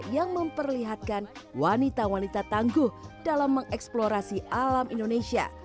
yang memperlihatkan wanita wanita tangguh dalam mengeksplorasi alam indonesia